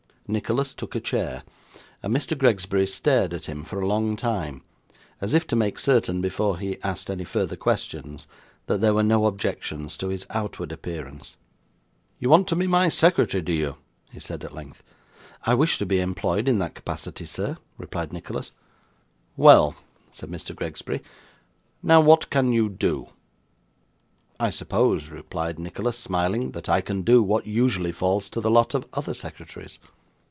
Nicholas took a chair, and Mr. Gregsbury stared at him for a long time, as if to make certain, before he asked any further questions, that there were no objections to his outward appearance. 'You want to be my secretary, do you?' he said at length. 'I wish to be employed in that capacity, sir,' replied Nicholas. 'Well,' said Mr. Gregsbury; 'now what can you do?' 'I suppose,' replied Nicholas, smiling, 'that I can do what usually falls to the lot of other secretaries.